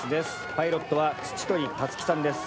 パイロットは土取樹さんです。